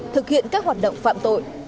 thực hiện các hoạt động phạm tội